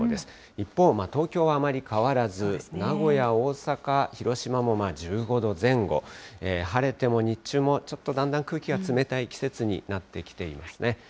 一方、東京はあまり変わらず、名古屋、大阪、広島も１５度前後、晴れても日中もちょっとだんだん空気が冷たい季節になってきていますね。